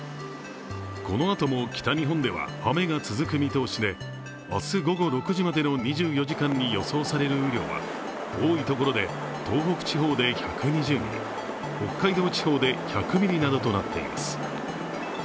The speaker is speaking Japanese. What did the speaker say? このあとも北日本では雨が続く見通しで、明日午後６時までの２４時間に予想される雨量は多いところで東北地方で１２０ミリ、北海道地方で１００ミリなどとなっています。